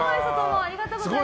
ありがとうございます。